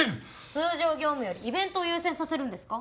通常業務よりイベントを優先させるんですか？